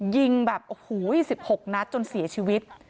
ยิงแบบโอ้โห๑๖นัดจนเสียชีวิต